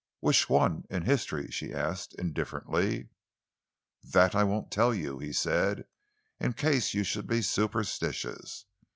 "Which won in history?" she asked indifferently. "That I won't tell you," he said, "in case you should be superstitious.